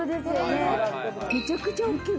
めちゃくちゃ大きい。